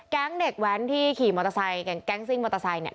เด็กแว้นที่ขี่มอเตอร์ไซค์แก๊งซิ่งมอเตอร์ไซค์เนี่ย